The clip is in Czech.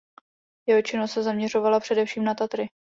Jeho činnost se zaměřovala především na Tatry.